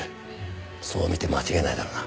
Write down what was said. そう見て間違いないだろうな。